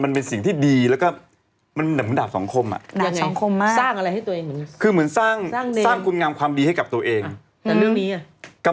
มันเป็นสิ่งที่ดีแข็งดับสองคม